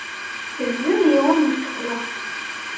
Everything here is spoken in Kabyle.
Tegzem yiwen n useklu.